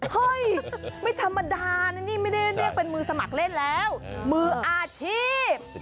เฮ้ยไม่ธรรมดานะนี่ไม่ได้เรียกเป็นมือสมัครเล่นแล้วมืออาชีพ